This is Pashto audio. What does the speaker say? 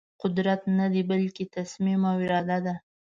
قدرت ندی بلکې تصمیم او اراده ده.